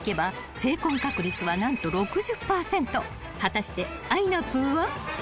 ［果たしてあいなぷぅは］